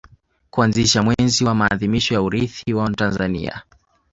kuanzisha mwezi wa maadhimisho ya Urithi wa Mtanzania